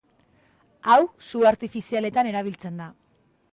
Hau, su artifizialetan erabiltzen da.